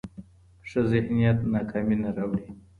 ښه ذهنیت ناکامي نه راوړي.